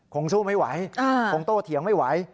คงสู้ไม่ไหวคงโตเถียงไม่ไหว